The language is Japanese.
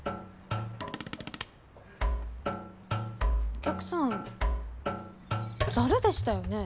お客さんざるでしたよね？